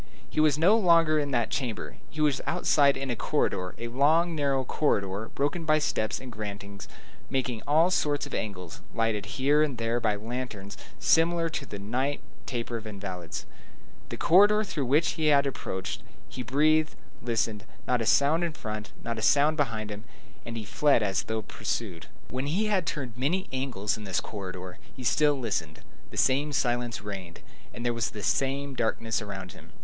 He was no longer in that chamber; he was outside in a corridor, a long, narrow corridor, broken by steps and gratings, making all sorts of angles, lighted here and there by lanterns similar to the night taper of invalids, the corridor through which he had approached. He breathed, he listened; not a sound in front, not a sound behind him, and he fled as though pursued. When he had turned many angles in this corridor, he still listened. The same silence reigned, and there was the same darkness around him.